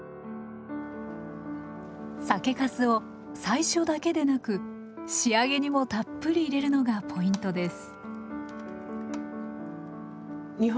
酒粕を最初だけでなく仕上げにもたっぷり入れるのがポイントです。